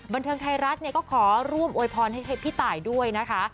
บันเทิงไทยรัฐก็ขอร่วมโวยพรให้พี่ตายด้วยนะคะ